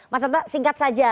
mas santa singkat saja